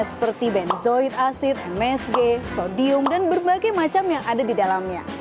seperti benzoid asid msg sodium dan berbagai macam yang ada di dalamnya